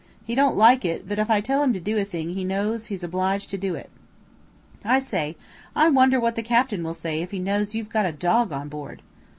He don't like it, but if I tell him to do a thing he knows he's obliged to do it." "I say, I wonder what the captain will say if he knows you've got a dog on board?"